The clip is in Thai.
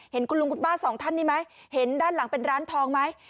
เห็นคุณลุงคุณป้าสองท่านนี้ไหมเห็นด้านหลังเป็นร้านทองไหม